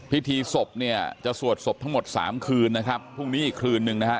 พิธีศพเนี่ยจะสวดศพทั้งหมดสามคืนนะครับพรุ่งนี้อีกคืนนึงนะฮะ